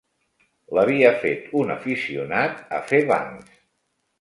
L'havia fet un aficionat a fer bancs